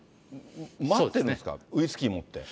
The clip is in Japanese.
待ってるんですか、ウイスキー持って。